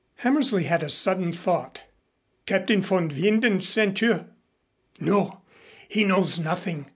Hammersley had a sudden thought. "Captain von Winden sent you?" "No. He knows nothing.